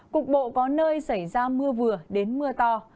cục bộ có nơi xảy ra mưa vừa đến mưa to